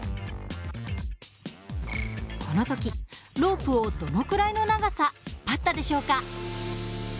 この時ロープをどのくらいの長さ引っ張ったでしょうか？